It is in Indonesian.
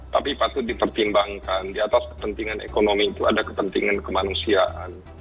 tapi patut dipertimbangkan di atas kepentingan ekonomi itu ada kepentingan kemanusiaan